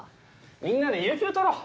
みんなで有休取ろう。